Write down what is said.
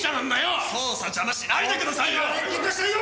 捜査邪魔しないでくださいよ！